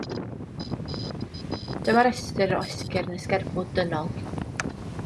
Dyma restr o esgyrn y sgerbwd dynol.